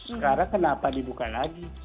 sekarang kenapa dibuka lagi